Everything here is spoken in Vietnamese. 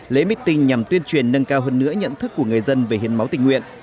lễ meeting nhằm tuyên truyền nâng cao hơn nữa nhận thức của người dân về hiến máu tình nguyện